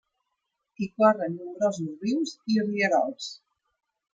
Hi corren nombrosos rius i rierols.